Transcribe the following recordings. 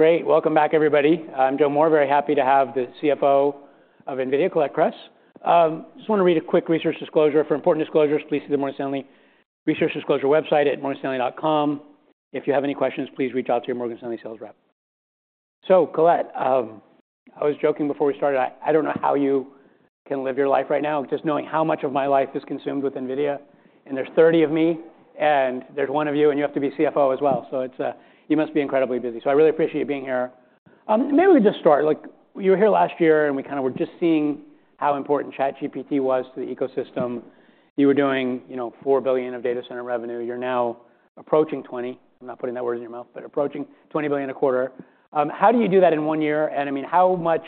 Great. Welcome back, everybody. I'm Joe Moore. Very happy to have the CFO of NVIDIA, Colette Kress. I just want to read a quick research disclosure. For important disclosures, please see the Morgan Stanley Research Disclosure website at morganstanley.com. If you have any questions, please reach out to your Morgan Stanley sales rep. So, Colette, I was joking before we started. I don't know how you can live your life right now just knowing how much of my life is consumed with NVIDIA. And there's 30 of me, and there's one of you. And you have to be CFO as well. So you must be incredibly busy. So I really appreciate you being here. Maybe we could just start. You were here last year, and we kind of were just seeing how important ChatGPT was to the ecosystem. You were doing $4 billion of data center revenue. You're now approaching $20 billion. I'm not putting that word in your mouth, but approaching $20 billion a quarter. How do you do that in one year? And I mean, how much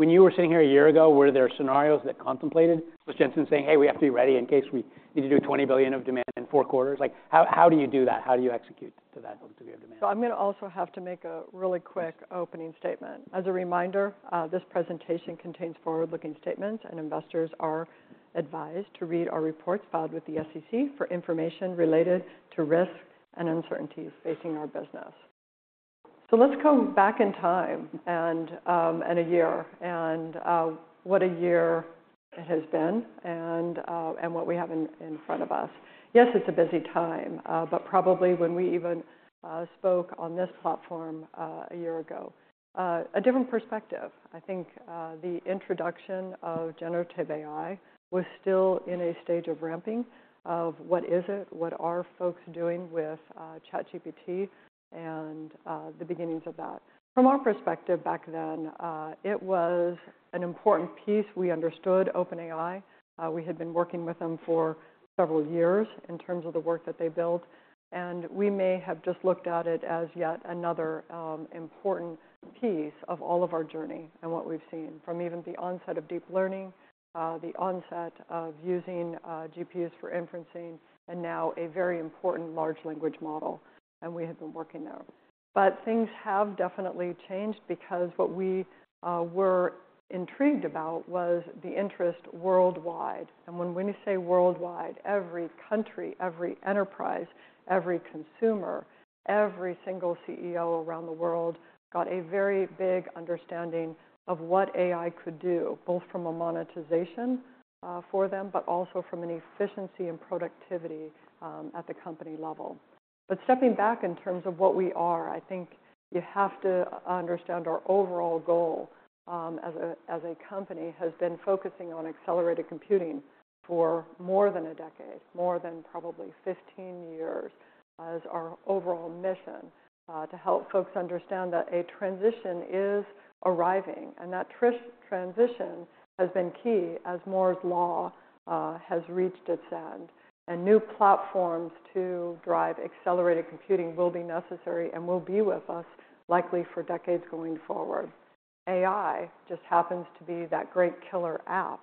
when you were sitting here a year ago, were there scenarios that contemplated? Was Jensen saying, hey, we have to be ready in case we need to do $20 billion of demand in four quarters? How do you do that? How do you execute to that degree of demand? I'm going to also have to make a really quick opening statement. As a reminder, this presentation contains forward-looking statements. Investors are advised to read our reports filed with the SEC for information related to risk and uncertainties facing our business. Let's go back in time and a year and what a year it has been and what we have in front of us. Yes, it's a busy time, but probably when we even spoke on this platform a year ago, a different perspective. I think the introduction of generative AI was still in a stage of ramping of what is it, what are folks doing with ChatGPT, and the beginnings of that. From our perspective back then, it was an important piece. We understood OpenAI. We had been working with them for several years in terms of the work that they built. And we may have just looked at it as yet another important piece of all of our journey and what we've seen from even the onset of deep learning, the onset of using GPUs for inferencing, and now a very important large language model. And we had been working there. But things have definitely changed because what we were intrigued about was the interest worldwide. And when we say worldwide, every country, every enterprise, every consumer, every single CEO around the world got a very big understanding of what AI could do both from a monetization for them but also from an efficiency and productivity at the company level. But stepping back in terms of what we are, I think you have to understand our overall goal as a company has been focusing on accelerated computing for more than a decade, more than probably 15 years as our overall mission to help folks understand that a transition is arriving. And that transition has been key as Moore's Law has reached its end. And new platforms to drive accelerated computing will be necessary and will be with us likely for decades going forward. AI just happens to be that great killer app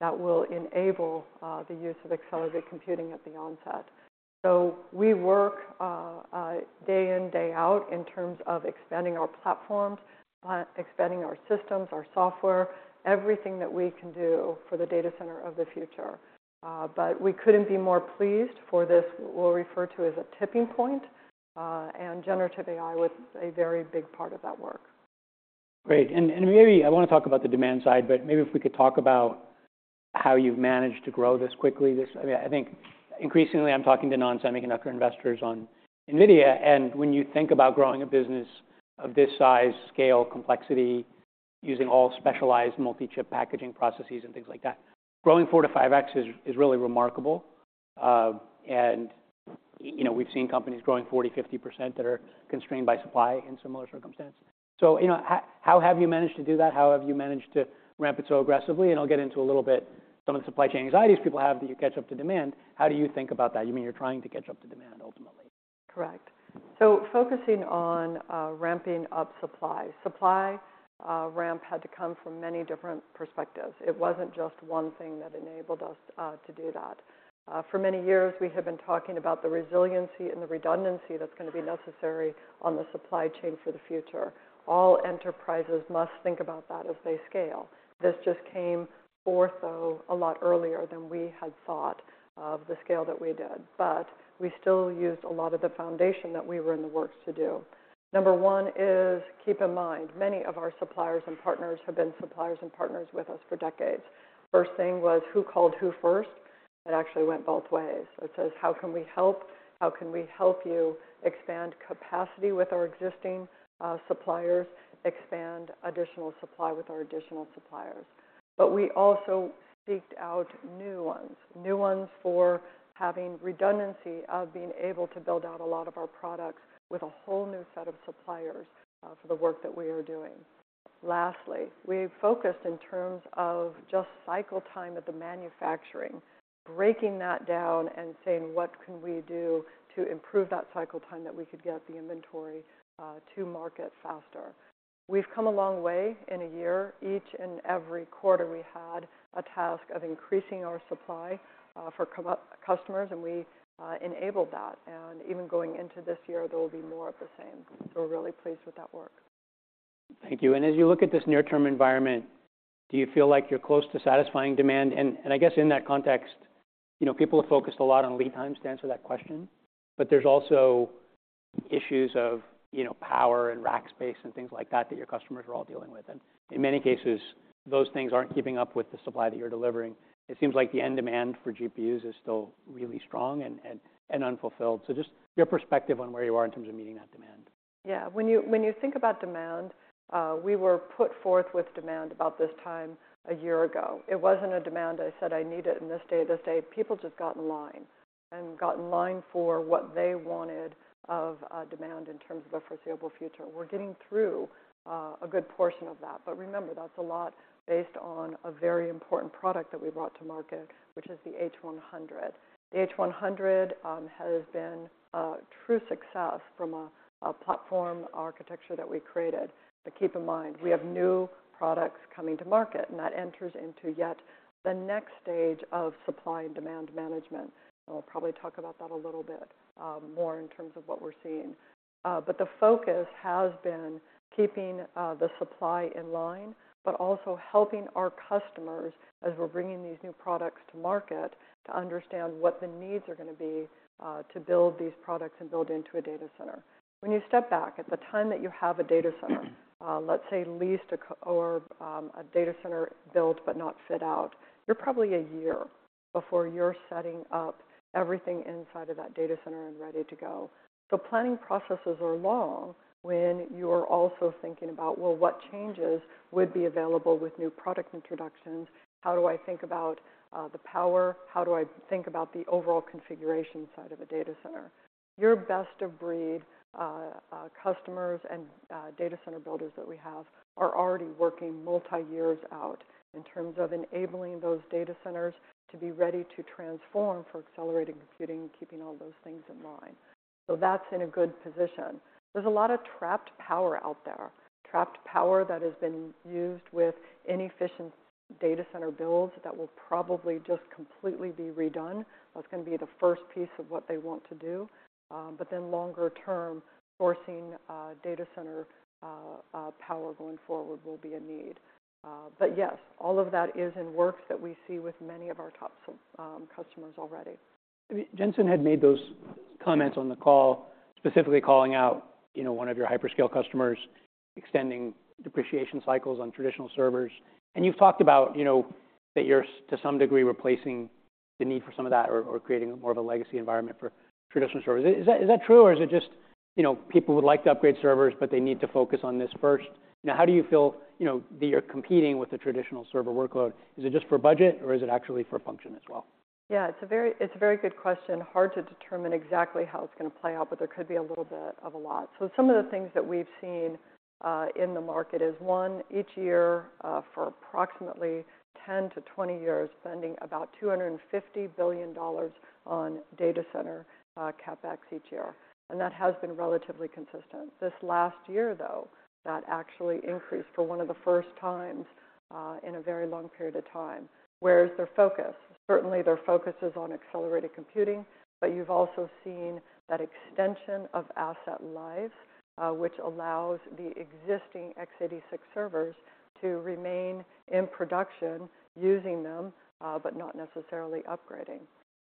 that will enable the use of accelerated computing at the onset. So we work day in, day out in terms of expanding our platforms, expanding our systems, our software, everything that we can do for the data center of the future. But we couldn't be more pleased for this we'll refer to as a tipping point. Generative AI was a very big part of that work. Great. Maybe I want to talk about the demand side. But maybe if we could talk about how you've managed to grow this quickly. I think increasingly, I'm talking to non-semiconductor investors on NVIDIA. And when you think about growing a business of this size, scale, complexity, using all specialized multi-chip packaging processes and things like that, growing 4x-5x is really remarkable. And we've seen companies growing 40%, 50% that are constrained by supply in similar circumstances. So how have you managed to do that? How have you managed to ramp it so aggressively? And I'll get into a little bit some of the supply chain anxieties people have that you catch up to demand. How do you think about that? You mean you're trying to catch up to demand ultimately? Correct. So focusing on ramping up supply. Supply ramp had to come from many different perspectives. It wasn't just one thing that enabled us to do that. For many years, we have been talking about the resiliency and the redundancy that's going to be necessary on the supply chain for the future. All enterprises must think about that as they scale. This just came forth, though, a lot earlier than we had thought of the scale that we did. But we still used a lot of the foundation that we were in the works to do. Number one is, keep in mind, many of our suppliers and partners have been suppliers and partners with us for decades. First thing was who called who first? It actually went both ways. It says, "How can we help? How can we help you expand capacity with our existing suppliers, expand additional supply with our additional suppliers? But we also sought out new ones, new ones for having redundancy of being able to build out a lot of our products with a whole new set of suppliers for the work that we are doing. Lastly, we focused in terms of just cycle time at the manufacturing, breaking that down and saying, what can we do to improve that cycle time that we could get the inventory to market faster? We've come a long way in a year. Each and every quarter, we had a task of increasing our supply for customers. And we enabled that. And even going into this year, there will be more of the same. So we're really pleased with that work. Thank you. And as you look at this near-term environment, do you feel like you're close to satisfying demand? And I guess in that context, people have focused a lot on lead times to answer that question. But there's also issues of power and rack space and things like that that your customers are all dealing with. And in many cases, those things aren't keeping up with the supply that you're delivering. It seems like the end demand for GPUs is still really strong and unfulfilled. So just your perspective on where you are in terms of meeting that demand. Yeah. When you think about demand, we were put forth with demand about this time a year ago. It wasn't a demand I said, I need it in this day, this day. People just got in line and got in line for what they wanted of demand in terms of a foreseeable future. We're getting through a good portion of that. But remember, that's a lot based on a very important product that we brought to market, which is the H100. The H100 has been a true success from a platform architecture that we created. But keep in mind, we have new products coming to market. And that enters into yet the next stage of supply and demand management. And we'll probably talk about that a little bit more in terms of what we're seeing. But the focus has been keeping the supply in line but also helping our customers as we're bringing these new products to market to understand what the needs are going to be to build these products and build into a data center. When you step back, at the time that you have a data center, let's say leased or a data center built but not fit out, you're probably a year before you're setting up everything inside of that data center and ready to go. So planning processes are long when you are also thinking about, well, what changes would be available with new product introductions? How do I think about the power? How do I think about the overall configuration side of a data center? Your best of breed customers and data center builders that we have are already working multi-years out in terms of enabling those data centers to be ready to transform for accelerated computing and keeping all those things in line. So that's in a good position. There's a lot of trapped power out there, trapped power that has been used with inefficient data center builds that will probably just completely be redone. That's going to be the first piece of what they want to do. But then longer-term, sourcing data center power going forward will be a need. But yes, all of that is in works that we see with many of our top customers already. Jensen had made those comments on the call, specifically calling out one of your hyperscale customers, extending depreciation cycles on traditional servers. You've talked about that you're, to some degree, replacing the need for some of that or creating more of a legacy environment for traditional servers. Is that true? Or is it just people would like to upgrade servers, but they need to focus on this first? How do you feel that you're competing with the traditional server workload? Is it just for budget, or is it actually for function as well? Yeah, it's a very good question. Hard to determine exactly how it's going to play out. But there could be a little bit of a lot. So some of the things that we've seen in the market is, one, each year for approximately 10-20 years, spending about $250 billion on data center CapEx each year. And that has been relatively consistent. This last year, though, that actually increased for one of the first times in a very long period of time. Where is their focus? Certainly, their focus is on accelerated computing. But you've also seen that extension of asset lives, which allows the existing x86 servers to remain in production using them but not necessarily upgrading.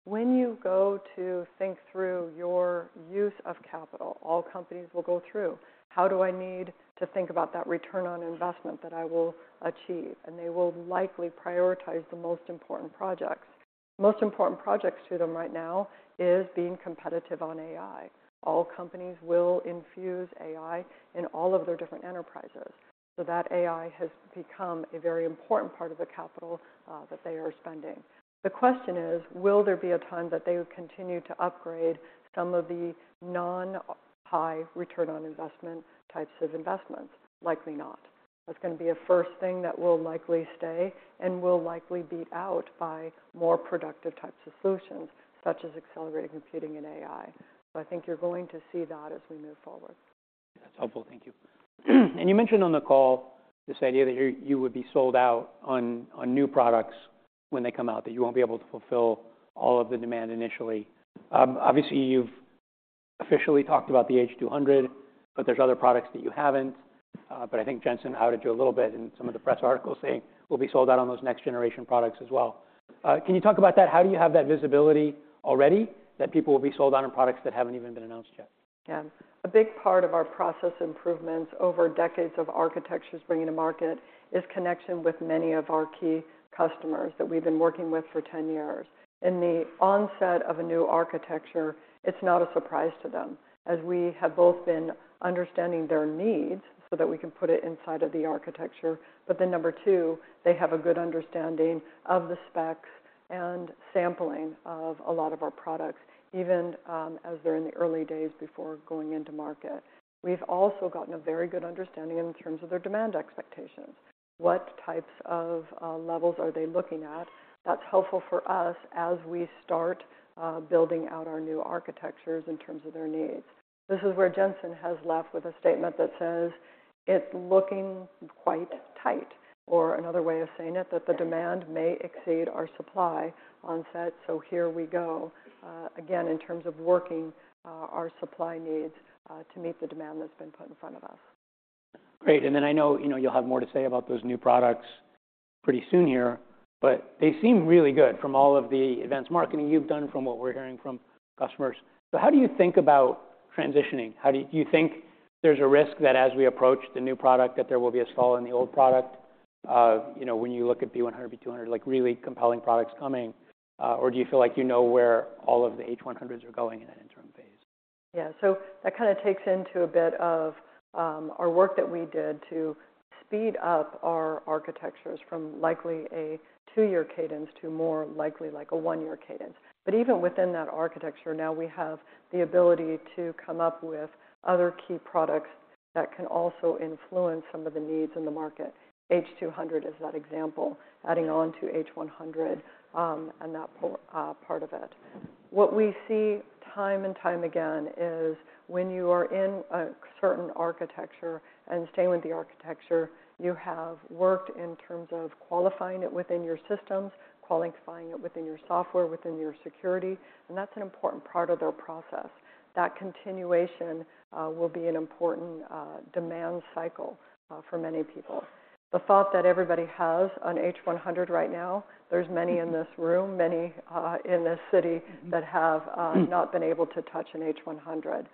When you go to think through your use of capital, all companies will go through, how do I need to think about that return on investment that I will achieve? They will likely prioritize the most important projects. Most important projects to them right now is being competitive on AI. All companies will infuse AI in all of their different enterprises. So that AI has become a very important part of the capital that they are spending. The question is, will there be a time that they continue to upgrade some of the non-high return on investment types of investments? Likely not. That's going to be a first thing that will likely stay and will likely beat out by more productive types of solutions, such as accelerated computing and AI. I think you're going to see that as we move forward. That's helpful. Thank you. And you mentioned on the call this idea that you would be sold out on new products when they come out, that you won't be able to fulfill all of the demand initially. Obviously, you've officially talked about the H200. But there's other products that you haven't. But I think Jensen outed you a little bit in some of the press articles saying, we'll be sold out on those next generation products as well. Can you talk about that? How do you have that visibility already that people will be sold out on products that haven't even been announced yet? Yeah. A big part of our process improvements over decades of architectures bringing to market is connection with many of our key customers that we've been working with for 10 years. In the onset of a new architecture, it's not a surprise to them as we have both been understanding their needs so that we can put it inside of the architecture. But then number two, they have a good understanding of the specs and sampling of a lot of our products, even as they're in the early days before going into market. We've also gotten a very good understanding in terms of their demand expectations. What types of levels are they looking at? That's helpful for us as we start building out our new architectures in terms of their needs. This is where Jensen has left with a statement that says, it's looking quite tight, or another way of saying it, that the demand may exceed our supply onset. So here we go, again, in terms of working our supply needs to meet the demand that's been put in front of us. Great. And then I know you'll have more to say about those new products pretty soon here. But they seem really good from all of the events marketing you've done, from what we're hearing from customers. So how do you think about transitioning? Do you think there's a risk that as we approach the new product, that there will be a stall in the old product when you look at B100, B200, like really compelling products coming? Or do you feel like you know where all of the H100s are going in that interim phase? Yeah. So that kind of takes into a bit of our work that we did to speed up our architectures from likely a two-year cadence to more likely like a one-year cadence. But even within that architecture, now we have the ability to come up with other key products that can also influence some of the needs in the market. H200 is that example, adding on to H100 and that part of it. What we see time and time again is when you are in a certain architecture and staying with the architecture, you have worked in terms of qualifying it within your systems, qualifying it within your software, within your security. And that's an important part of their process. That continuation will be an important demand cycle for many people. The thought that everybody has on H100 right now, there's many in this room, many in this city that have not been able to touch an H100.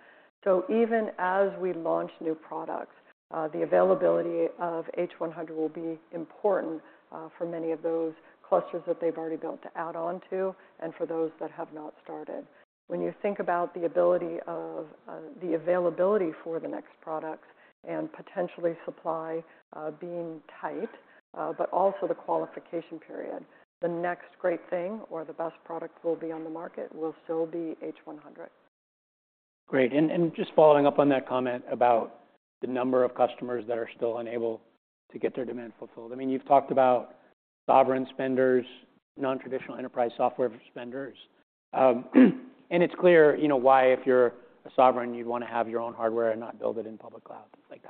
So even as we launch new products, the availability of H100 will be important for many of those clusters that they've already built to add on to and for those that have not started. When you think about the ability of the availability for the next products and potentially supply being tight, but also the qualification period, the next great thing or the best product will be on the market will still be H100. Great. And just following up on that comment about the number of customers that are still unable to get their demand fulfilled, I mean, you've talked about sovereign spenders, nontraditional enterprise software spenders. And it's clear why, if you're a sovereign, you'd want to have your own hardware and not build it in public cloud like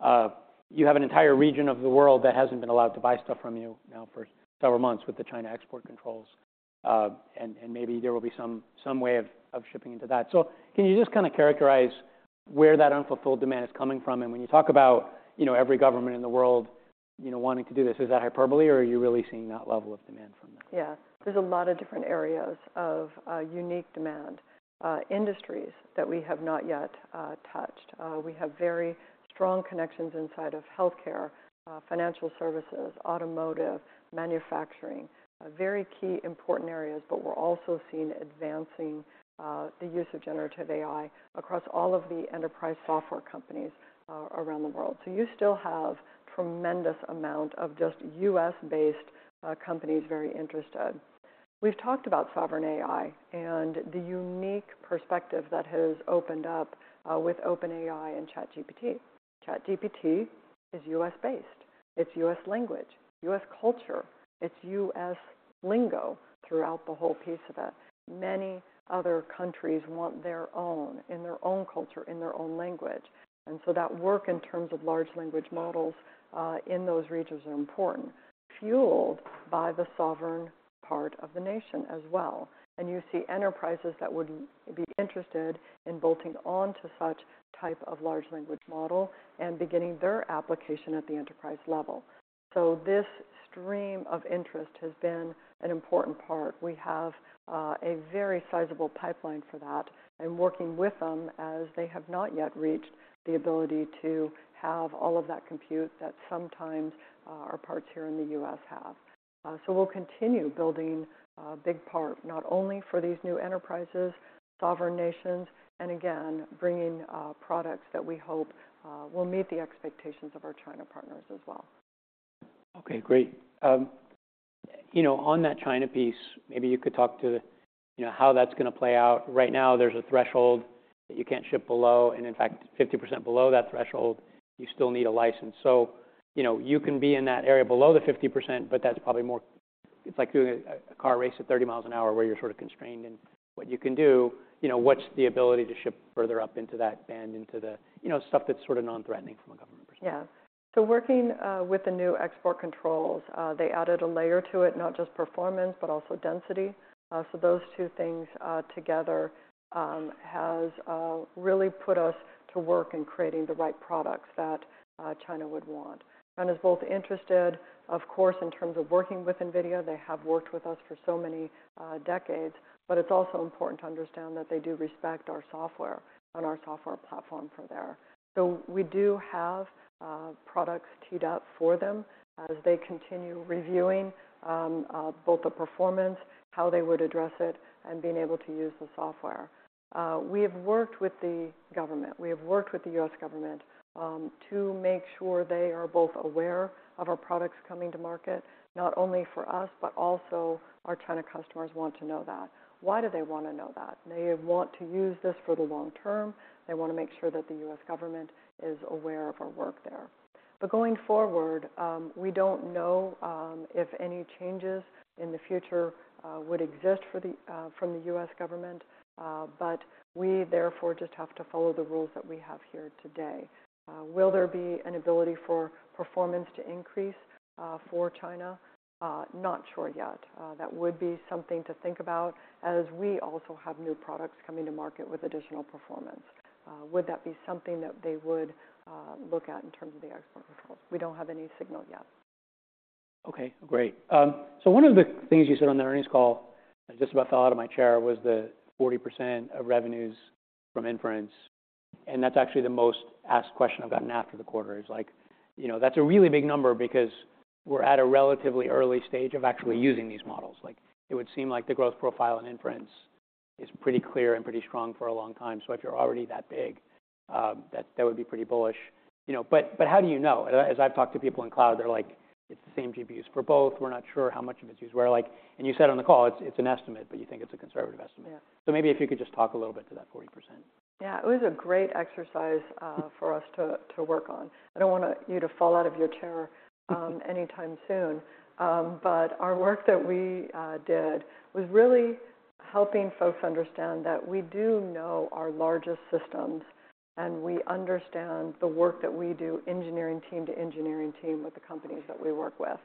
that. You have an entire region of the world that hasn't been allowed to buy stuff from you now for several months with the China export controls. And maybe there will be some way of shipping into that. So can you just kind of characterize where that unfulfilled demand is coming from? And when you talk about every government in the world wanting to do this, is that hyperbole? Or are you really seeing that level of demand from them? Yeah. There's a lot of different areas of unique demand, industries that we have not yet touched. We have very strong connections inside of health care, financial services, automotive, manufacturing, very key important areas. But we're also seeing advancing the use of generative AI across all of the enterprise software companies around the world. So you still have a tremendous amount of just U.S.-based companies very interested. We've talked about sovereign AI and the unique perspective that has opened up with OpenAI and ChatGPT. ChatGPT is U.S.-based. It's U.S. language, U.S. culture. It's U.S. lingo throughout the whole piece of it. Many other countries want their own in their own culture, in their own language. And so that work in terms of large language models in those regions are important, fueled by the sovereign part of the nation as well. You see enterprises that would be interested in bolting on to such type of large language model and beginning their application at the enterprise level. This stream of interest has been an important part. We have a very sizable pipeline for that and working with them as they have not yet reached the ability to have all of that compute that sometimes our parts here in the U.S. have. We'll continue building a big part, not only for these new enterprises, sovereign nations, and again, bringing products that we hope will meet the expectations of our China partners as well. OK, great. On that China piece, maybe you could talk to how that's going to play out. Right now, there's a threshold that you can't ship below. And in fact, 50% below that threshold, you still need a license. So you can be in that area below the 50%. But that's probably more, it's like doing a car race at 30 mi an hour where you're sort of constrained. And what you can do, what's the ability to ship further up into that band, into the stuff that's sort of non-threatening from a government perspective? Yeah. So working with the new export controls, they added a layer to it, not just performance but also density. So those two things together have really put us to work in creating the right products that China would want. China is both interested, of course, in terms of working with NVIDIA. They have worked with us for so many decades. But it's also important to understand that they do respect our software and our software platform for their. So we do have products teed up for them as they continue reviewing both the performance, how they would address it, and being able to use the software. We have worked with the government. We have worked with the U.S. government to make sure they are both aware of our products coming to market, not only for us, but also our China customers want to know that. Why do they want to know that? They want to use this for the long term. They want to make sure that the U.S. government is aware of our work there. Going forward, we don't know if any changes in the future would exist from the U.S. government. We therefore just have to follow the rules that we have here today. Will there be an ability for performance to increase for China? Not sure yet. That would be something to think about as we also have new products coming to market with additional performance. Would that be something that they would look at in terms of the export controls? We don't have any signal yet. OK, great. So one of the things you said on the earnings call that I just about fell out of my chair was the 40% of revenues from inference. And that's actually the most asked question I've gotten after the quarter. It's like, that's a really big number because we're at a relatively early stage of actually using these models. It would seem like the growth profile in inference is pretty clear and pretty strong for a long time. So if you're already that big, that would be pretty bullish. But how do you know? As I've talked to people in cloud, they're like, it's the same GPUs for both. We're not sure how much of it's used where. And you said on the call, it's an estimate. But you think it's a conservative estimate. So maybe if you could just talk a little bit to that 40%. Yeah, it was a great exercise for us to work on. I don't want you to fall out of your chair any time soon. But our work that we did was really helping folks understand that we do know our largest systems. And we understand the work that we do, engineering team to engineering team, with the companies that we work with.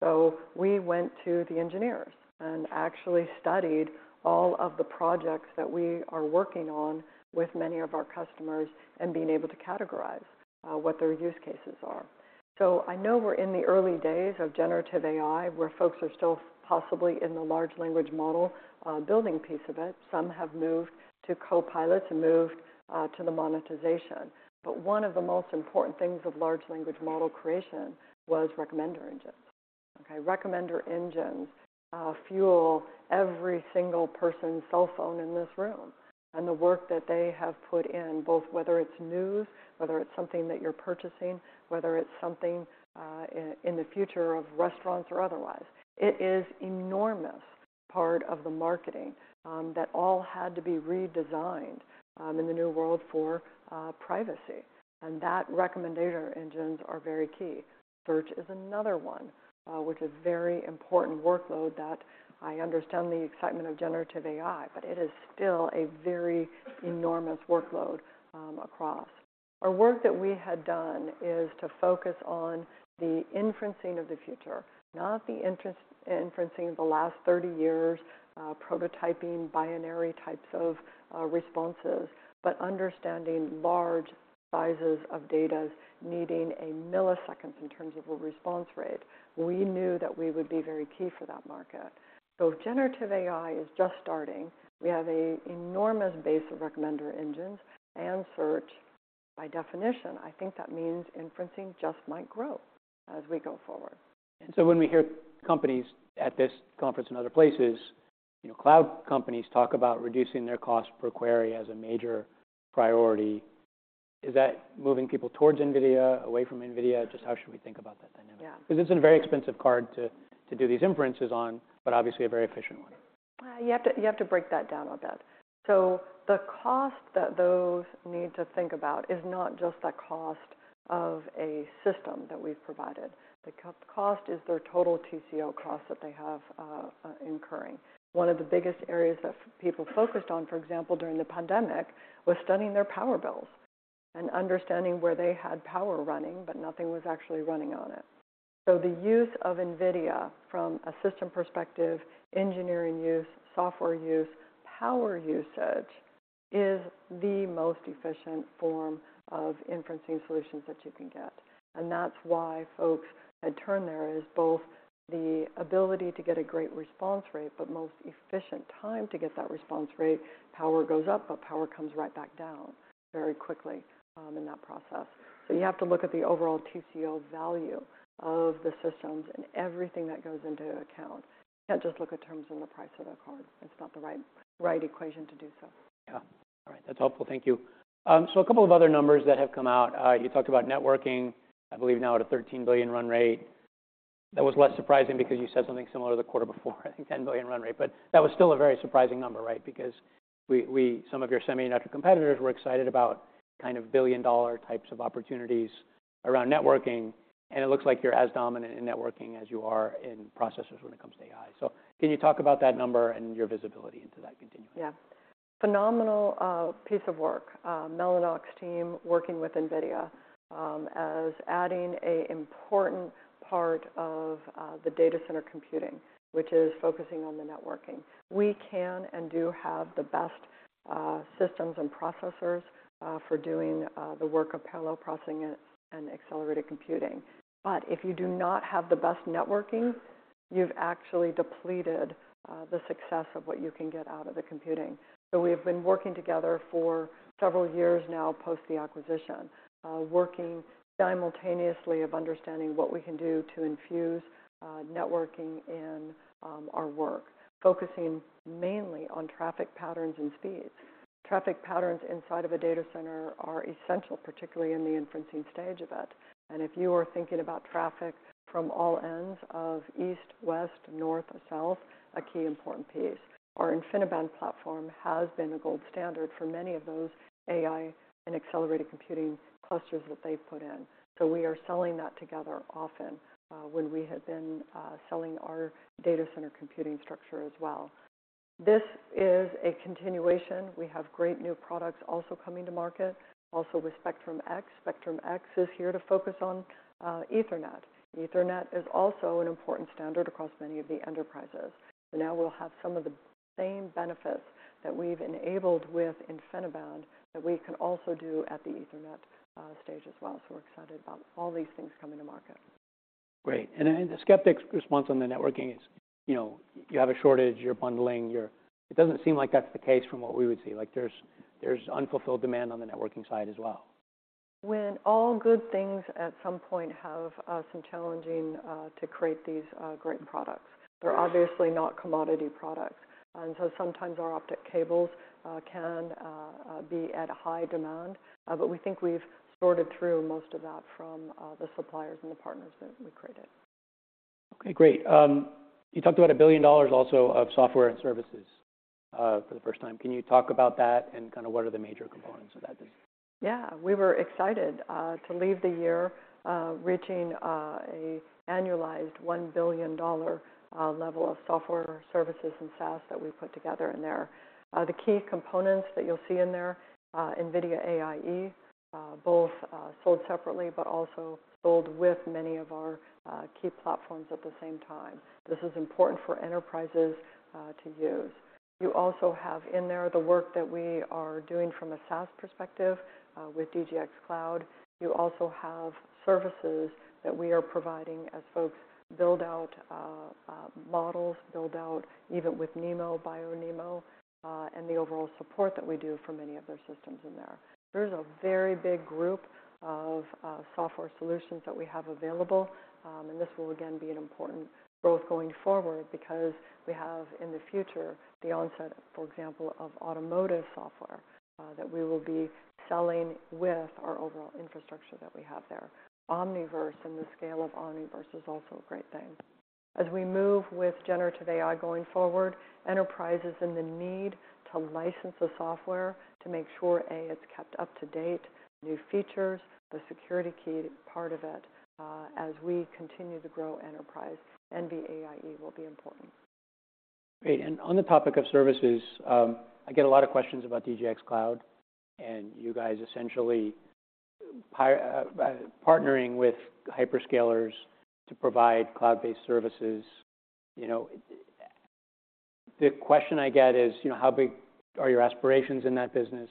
So we went to the engineers and actually studied all of the projects that we are working on with many of our customers and being able to categorize what their use cases are. So I know we're in the early days of generative AI where folks are still possibly in the large language model building piece of it. Some have moved to copilots and moved to the monetization. But one of the most important things of large language model creation was recommender engines. Recommender engines fuel every single person's cell phone in this room. The work that they have put in, both whether it's news, whether it's something that you're purchasing, whether it's something in the future of restaurants or otherwise, it is an enormous part of the marketing that all had to be redesigned in the new world for privacy. That recommender engines are very key. Search is another one, which is a very important workload that I understand the excitement of generative AI. But it is still a very enormous workload across. Our work that we had done is to focus on the inferencing of the future, not the inferencing of the last 30 years, prototyping, binary types of responses, but understanding large sizes of data needing a milliseconds in terms of a response rate. We knew that we would be very key for that market. If generative AI is just starting, we have an enormous base of recommender engines and search by definition. I think that means inferencing just might grow as we go forward. So when we hear companies at this conference and other places, cloud companies talk about reducing their cost per query as a major priority, is that moving people towards NVIDIA, away from NVIDIA? Just how should we think about that dynamic? Because it's a very expensive card to do these inferences on, but obviously a very efficient one. You have to break that down a bit. So the cost that those need to think about is not just the cost of a system that we've provided. The cost is their total TCO cost that they have incurring. One of the biggest areas that people focused on, for example, during the pandemic, was studying their power bills and understanding where they had power running, but nothing was actually running on it. So the use of NVIDIA from a system perspective, engineering use, software use, power usage is the most efficient form of inferencing solutions that you can get. And that's why folks had turned there is both the ability to get a great response rate, but most efficient time to get that response rate. Power goes up, but power comes right back down very quickly in that process. You have to look at the overall TCO value of the systems and everything that goes into account. You can't just look at terms and the price of the card. It's not the right equation to do so. Yeah. All right, that's helpful. Thank you. So a couple of other numbers that have come out. You talked about networking, I believe, now at a $13 billion run rate. That was less surprising because you said something similar the quarter before, I think $10 billion run rate. But that was still a very surprising number, right? Because some of your semiconductor competitors were excited about kind of billion-dollar types of opportunities around networking. And it looks like you're as dominant in networking as you are in processors when it comes to AI. So can you talk about that number and your visibility into that continuum? Yeah. Phenomenal piece of work. Mellanox team working with NVIDIA as adding an important part of the data center computing, which is focusing on the networking. We can and do have the best systems and processors for doing the work of parallel processing and accelerated computing. But if you do not have the best networking, you've actually depleted the success of what you can get out of the computing. So we have been working together for several years now post the acquisition, working simultaneously of understanding what we can do to infuse networking in our work, focusing mainly on traffic patterns and speeds. Traffic patterns inside of a data center are essential, particularly in the inferencing stage of it. If you are thinking about traffic from all ends of east, west, north, south, a key important piece. Our InfiniBand platform has been a gold standard for many of those AI and accelerated computing clusters that they've put in. So we are selling that together often when we have been selling our data center computing structure as well. This is a continuation. We have great new products also coming to market, also with Spectrum-X. Spectrum-X is here to focus on Ethernet. Ethernet is also an important standard across many of the enterprises. So now we'll have some of the same benefits that we've enabled with InfiniBand that we can also do at the Ethernet stage as well. So we're excited about all these things coming to market. Great. And the skeptic response on the networking is you have a shortage. You're bundling. It doesn't seem like that's the case from what we would see. There's unfulfilled demand on the networking side as well. When all good things at some point have some challenges to create these great products, they're obviously not commodity products. And so sometimes our optic cables can be at high demand. But we think we've sorted through most of that from the suppliers and the partners that we created. OK, great. You talked about $1 billion also of software and services for the first time. Can you talk about that and kind of what are the major components of that? Yeah, we were excited to leave the year reaching an annualized $1 billion level of software services and SaaS that we put together in there. The key components that you'll see in there, NVIDIA AIE, both sold separately but also sold with many of our key platforms at the same time. This is important for enterprises to use. You also have in there the work that we are doing from a SaaS perspective with DGX Cloud. You also have services that we are providing as folks build out models, build out even with NeMo, BioNeMo, and the overall support that we do for many of their systems in there. There is a very big group of software solutions that we have available. This will again be an important growth going forward because we have in the future the onset, for example, of automotive software that we will be selling with our overall infrastructure that we have there. Omniverse and the scale of Omniverse is also a great thing. As we move with generative AI going forward, enterprises in the need to license the software to make sure, A, it's kept up to date, new features, the security key part of it as we continue to grow enterprise. NVIDIA AIE will be important. Great. On the topic of services, I get a lot of questions about DGX Cloud and you guys essentially partnering with hyperscalers to provide cloud-based services. The question I get is, how big are your aspirations in that business?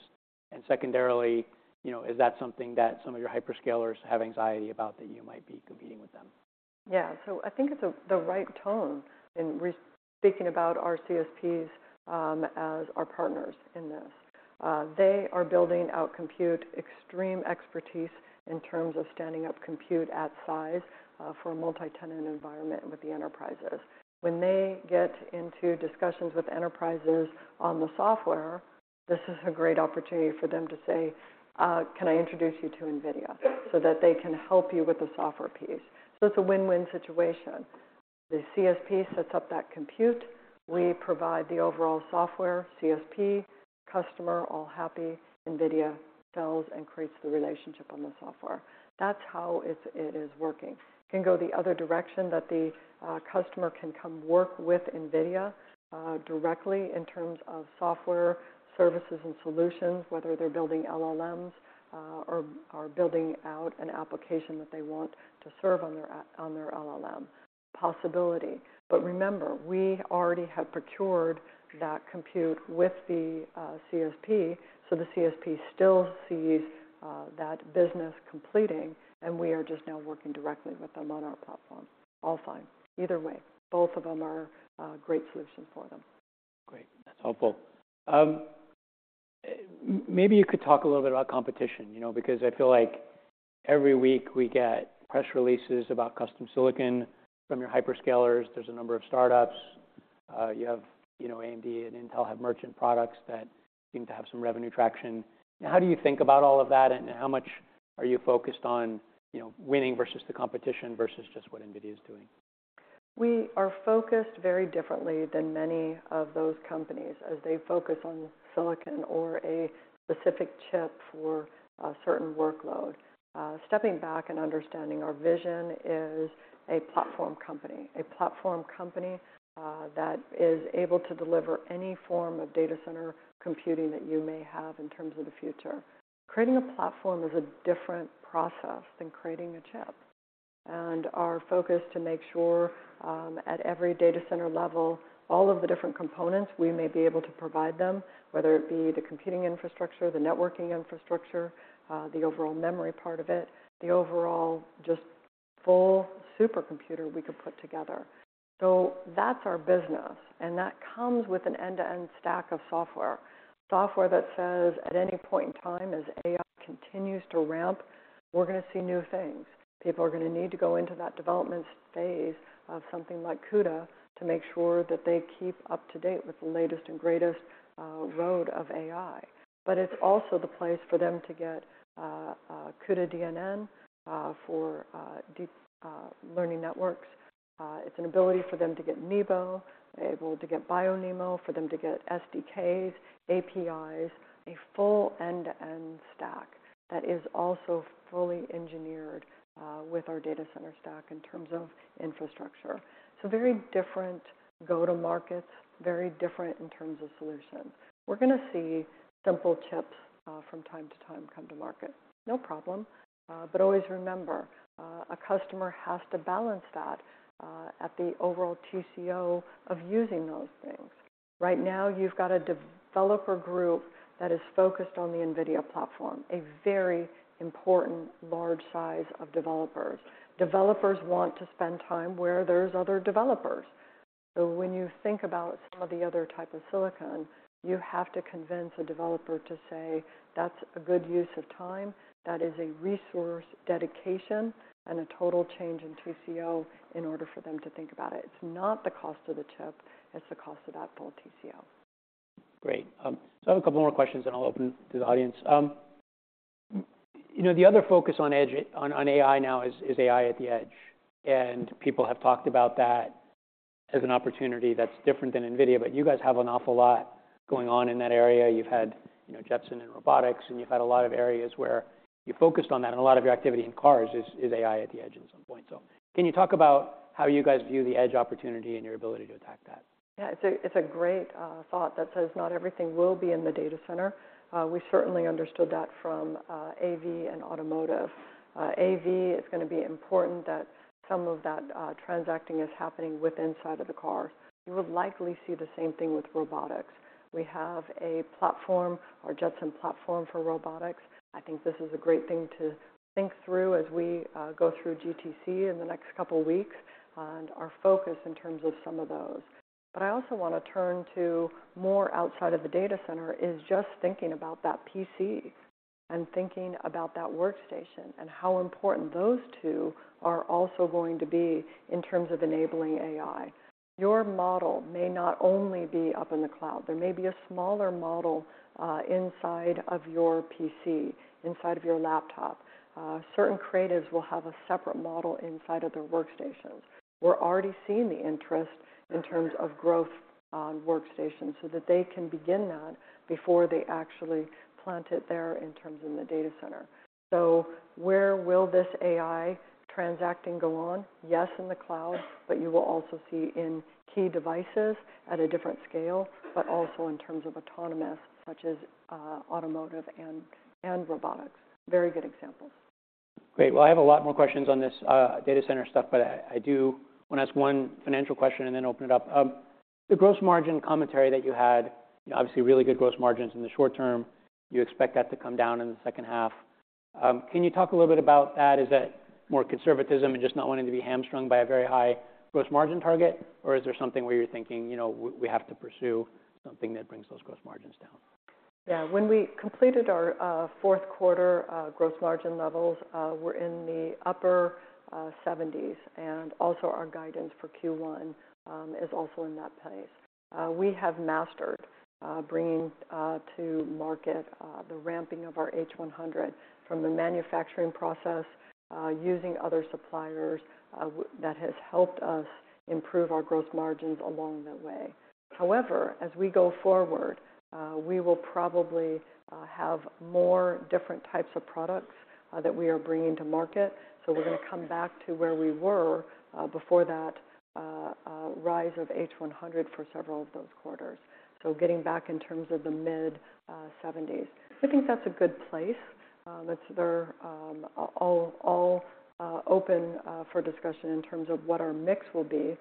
And secondarily, is that something that some of your hyperscalers have anxiety about that you might be competing with them? Yeah, so I think it's the right tone in speaking about our CSPs as our partners in this. They are building out compute, extreme expertise in terms of standing up compute at size for a multi-tenant environment with the enterprises. When they get into discussions with enterprises on the software, this is a great opportunity for them to say, can I introduce you to NVIDIA so that they can help you with the software piece? So it's a win-win situation. The CSP sets up that compute. We provide the overall software, CSP, customer, all happy. NVIDIA sells and creates the relationship on the software. That's how it is working. It can go the other direction that the customer can come work with NVIDIA directly in terms of software, services, and solutions, whether they're building LLMs or building out an application that they want to serve on their LLM possibility. But remember, we already have procured that compute with the CSP. So the CSP still sees that business completing. And we are just now working directly with them on our platform, all fine, either way. Both of them are great solutions for them. Great. That's helpful. Maybe you could talk a little bit about competition because I feel like every week we get press releases about custom silicon from your hyperscalers. There's a number of startups. You have AMD and Intel have merchant products that seem to have some revenue traction. How do you think about all of that? And how much are you focused on winning versus the competition versus just what NVIDIA is doing? We are focused very differently than many of those companies as they focus on silicon or a specific chip for a certain workload. Stepping back and understanding, our vision is a platform company, a platform company that is able to deliver any form of data center computing that you may have in terms of the future. Creating a platform is a different process than creating a chip. Our focus is to make sure at every data center level, all of the different components, we may be able to provide them, whether it be the computing infrastructure, the networking infrastructure, the overall memory part of it, the overall just full supercomputer we could put together. That's our business. That comes with an end-to-end stack of software, software that says at any point in time, as AI continues to ramp, we're going to see new things. People are going to need to go into that development phase of something like CUDA to make sure that they keep up to date with the latest and greatest road of AI. But it's also the place for them to get cuDNN for deep learning networks. It's an ability for them to get NeMo, able to get BioNeMo, for them to get SDKs, APIs, a full end-to-end stack that is also fully engineered with our data center stack in terms of infrastructure. So very different go-to-markets, very different in terms of solutions. We're going to see simple chips from time to time come to market, no problem. But always remember, a customer has to balance that at the overall TCO of using those things. Right now, you've got a developer group that is focused on the NVIDIA platform, a very important large size of developers. Developers want to spend time where there's other developers. So when you think about some of the other types of silicon, you have to convince a developer to say, that's a good use of time. That is a resource dedication and a total change in TCO in order for them to think about it. It's not the cost of the chip. It's the cost of that full TCO. Great. So I have a couple more questions. And I'll open to the audience. The other focus on edge on AI now is AI at the edge. And people have talked about that as an opportunity that's different than NVIDIA. But you guys have an awful lot going on in that area. You've had Jetson and robotics. And you've had a lot of areas where you focused on that. And a lot of your activity in cars is AI at the edge at some point. So can you talk about how you guys view the edge opportunity and your ability to attack that? Yeah, it's a great thought that says not everything will be in the data center. We certainly understood that from AV and automotive. AV, it's going to be important that some of that transacting is happening with inside of the cars. You will likely see the same thing with robotics. We have a platform, our Jetson platform for robotics. I think this is a great thing to think through as we go through GTC in the next couple of weeks and our focus in terms of some of those. But I also want to turn to more outside of the data center is just thinking about that PC and thinking about that workstation and how important those two are also going to be in terms of enabling AI. Your model may not only be up in the cloud. There may be a smaller model inside of your PC, inside of your laptop. Certain creatives will have a separate model inside of their workstations. We're already seeing the interest in terms of growth on workstations so that they can begin that before they actually plant it there in terms of the data center. So where will this AI transacting go on? Yes, in the cloud. But you will also see in key devices at a different scale, but also in terms of autonomous such as automotive and robotics, very good examples. Great. Well, I have a lot more questions on this data center stuff. But I do want to ask one financial question and then open it up. The gross margin commentary that you had, obviously really good gross margins in the short term. You expect that to come down in the second half. Can you talk a little bit about that? Is that more conservatism and just not wanting to be hamstrung by a very high gross margin target? Or is there something where you're thinking, we have to pursue something that brings those gross margins down? Yeah, when we completed our fourth quarter gross margin levels, we're in the upper 70s%. And also our guidance for Q1 is also in that place. We have mastered bringing to market the ramping of our H100 from the manufacturing process using other suppliers. That has helped us improve our gross margins along that way. However, as we go forward, we will probably have more different types of products that we are bringing to market. So we're going to come back to where we were before that rise of H100 for several of those quarters, so getting back in terms of the mid-70s. I think that's a good place. They're all open for discussion in terms of what our mix will be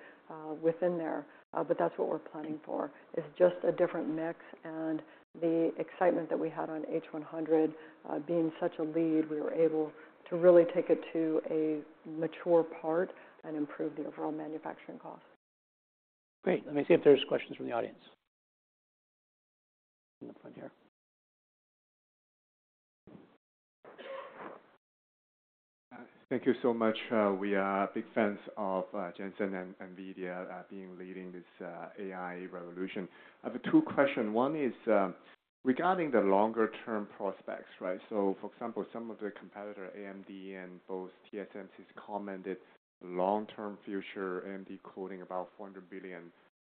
within there. But that's what we're planning for, is just a different mix. The excitement that we had on H100 being such a lead, we were able to really take it to a mature part and improve the overall manufacturing cost. Great. Let me see if there's questions from the audience in the front here. Thank you so much. We are big fans of Jensen and NVIDIA being leading this AI revolution. I have two questions. One is regarding the longer-term prospects. So for example, some of the competitor AMD and both TSMC's commented long-term future AMD quoting about $400 billion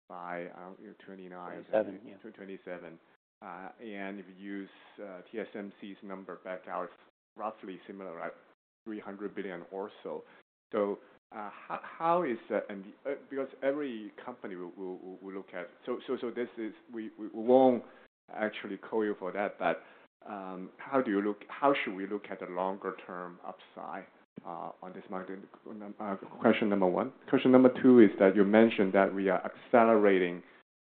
by 2029. 2027, yeah. 2027. And if you use TSMC's number back out, it's roughly similar, right? $300 billion or so. So how is that? Because every company will look at so we won't actually quote you for that. But how do you look how should we look at the longer-term upside on this market? Question number one. Question number two is that you mentioned that we are accelerating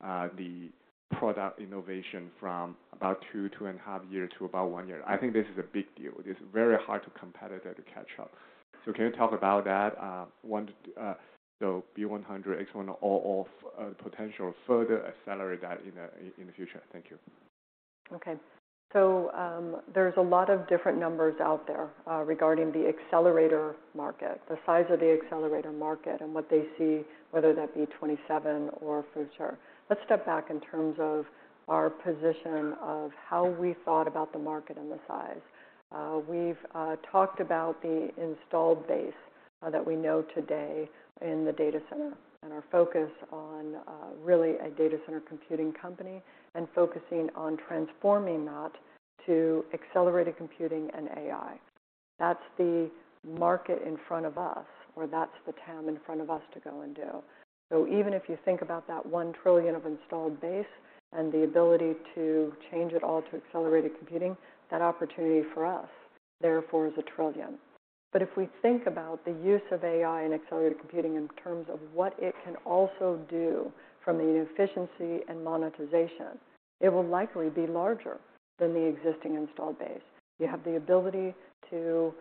the product innovation from about two to two and half years to about one year. I think this is a big deal. It is very hard for competitors to catch up. So can you talk about that? So B100, X100, all potential further accelerate that in the future? Thank you. OK. So there's a lot of different numbers out there regarding the accelerator market, the size of the accelerator market, and what they see, whether that be 2027 or future. Let's step back in terms of our position of how we thought about the market and the size. We've talked about the installed base that we know today in the data center and our focus on really a data center computing company and focusing on transforming that to accelerated computing and AI. That's the market in front of us, or that's the TAM in front of us to go and do. So even if you think about that $1 trillion of installed base and the ability to change it all to accelerated computing, that opportunity for us, therefore, is $1 trillion. But if we think about the use of AI and accelerated computing in terms of what it can also do from the inefficiency and monetization, it will likely be larger than the existing installed base. You have the ability to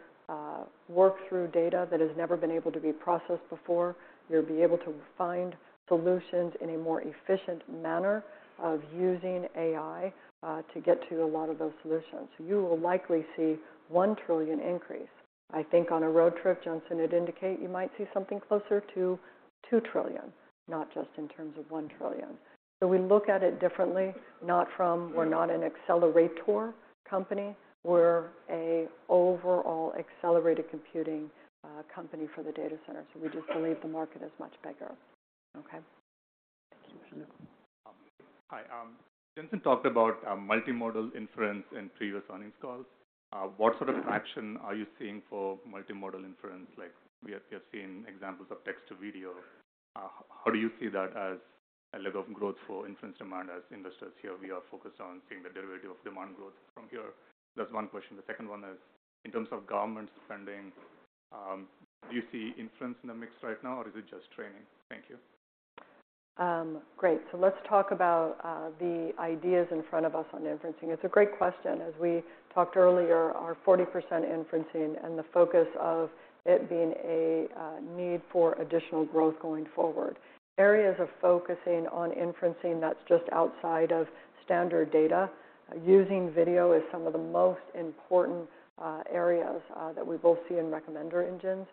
work through data that has never been able to be processed before. You'll be able to find solutions in a more efficient manner of using AI to get to a lot of those solutions. You will likely see $1 trillion increase. I think on a road trip, Jensen, it indicated you might see something closer to $2 trillion, not just in terms of $1 trillion. So we look at it differently, not from we're not an accelerator company. We're an overall accelerated computing company for the data center. So we just believe the market is much bigger. OK? Thank you. Hi. Jensen talked about multimodal inference in previous earnings calls. What sort of traction are you seeing for multimodal inference? We have seen examples of text to video. How do you see that as a leg of growth for inference demand as investors? Here we are focused on seeing the derivative of demand growth from here. That's one question. The second one is, in terms of government spending, do you see inference in the mix right now? Or is it just training? Thank you. Great. So let's talk about the ideas in front of us on inferencing. It's a great question. As we talked earlier, our 40% inferencing and the focus of it being a need for additional growth going forward, areas of focusing on inferencing that's just outside of standard data, using video as some of the most important areas that we both see in recommender engines,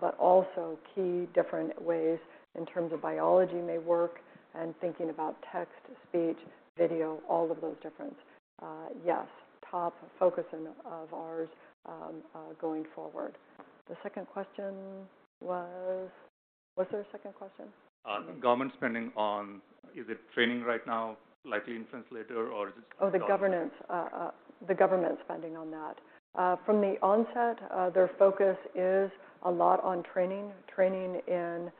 but also key different ways in terms of biology may work and thinking about text, speech, video, all of those different yes, top focus of ours going forward. The second question was there a second question? Government spending on is it training right now, likely inference later? Or is it still? Oh, the governance, the government spending on that. From the onset, their focus is a lot on training, training in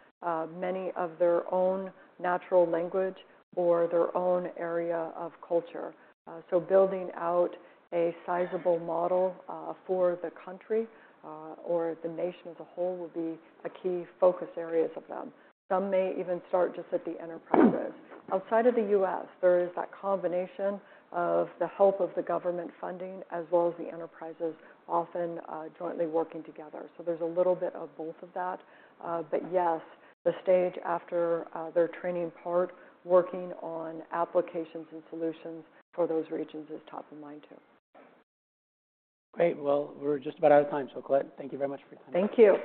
many of their own natural language or their own area of culture. So building out a sizable model for the country or the nation as a whole will be a key focus area of them. Some may even start just at the enterprises. Outside of the U.S., there is that combination of the help of the government funding as well as the enterprises often jointly working together. So there's a little bit of both of that. But yes, the stage after their training part, working on applications and solutions for those regions, is top of mind too. Great. Well, we're just about out of time. Colette, thank you very much for your time. Thank you.